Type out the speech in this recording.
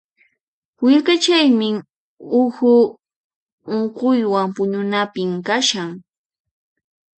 Willkachaymi uhu unquywan puñunapim kashan.